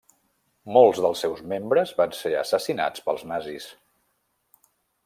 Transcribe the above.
Molts dels seus membres van ser assassinats pels nazis.